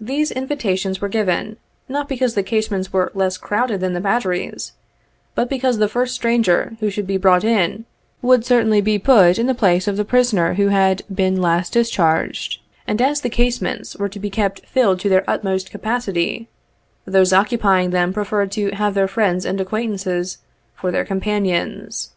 These invitations were given, not because the casemates were less crowded than the batteries, but because the first stranger who should be brought in, would certainly be put in the place of the prisoner who had been last discharged, and, as the casemates were to be kept filled to their utmost capacity, those occupying them pre ferred to have their friends and acquaintances for their com panions.